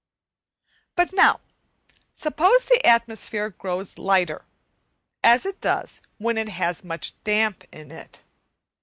But now suppose the atmosphere grows lighter, as it does when it has much damp in it.